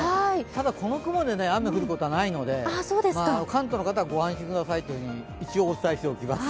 ただ、この雲で雨が降ることはないので関東の方はご安心くださいと一応お伝えしておきます。